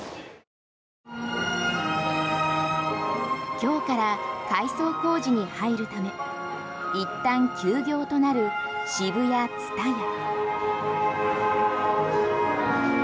今日から改装工事に入るため一旦休業となるＳＨＩＢＵＹＡＴＳＵＴＡＹＡ。